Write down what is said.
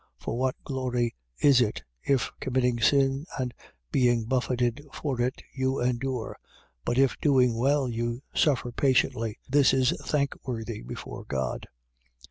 2:20. For what glory is it, if, committing sin and being buffeted for it, you endure? But if doing well you suffer patiently: this is thankworthy before God.